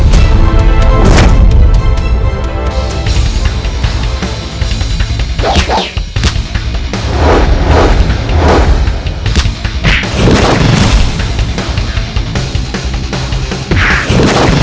perkataan dari si tengku